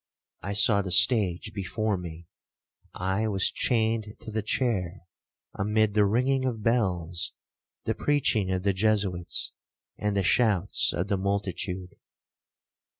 I saw the stage before me,—I was chained to the chair, amid the ringing of bells, the preaching of the Jesuits, and the shouts of the multitude.